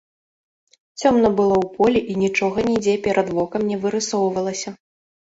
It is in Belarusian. Цёмна было ў полі і нічога нідзе перад вокам не вырысоўвалася.